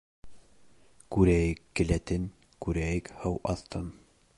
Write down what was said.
— Күрәйек келәтен, күрәйек һыу аҫтын!